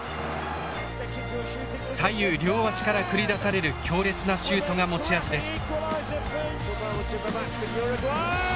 左右両足から繰り出される強烈なシュートが持ち味です。